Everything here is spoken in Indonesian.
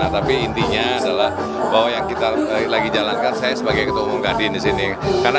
tapi intinya adalah bahwa yang kita lagi jalankan saya sebagai ketua umum kadin di sini